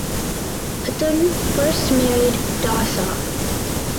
Htun first married Daw Saw.